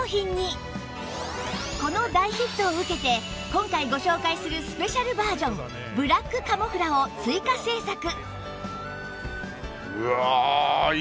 この大ヒットを受けて今回ご紹介するスペシャルバージョンブラックカモフラを追加製作！